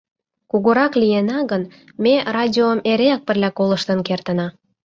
Кугурак лийына гын, ме радиом эреак пырля колыштын кертына».